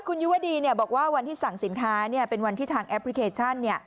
คุณยุวดีบอกว่าวันที่สั่งสินค้าเป็นวันที่ทางแอปพลิเคชัน